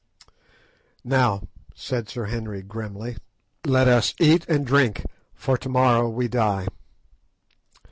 "Now," said Sir Henry grimly, "let us eat and drink, for to morrow we die."